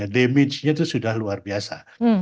damagenya itu sudah luar biasa